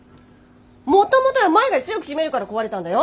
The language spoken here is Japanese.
もともとはマヤが強く閉めるから壊れたんだよ。